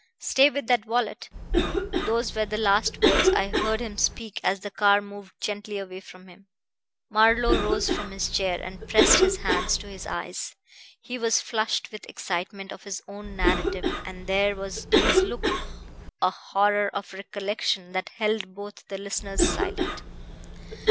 Stay with that wallet.' Those were the last words I heard him speak as the car moved gently away from him." Marlowe rose from his chair and pressed his hands to his eyes. He was flushed with the excitement of his own narrative, and there was in his look a horror of recollection that held both the listeners silent.